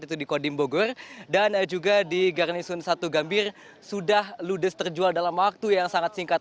itu di kodim bogor dan juga di garnisun satu gambir sudah ludes terjual dalam waktu yang sangat singkat